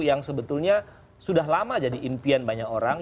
yang sebetulnya sudah lama jadi impian banyak orang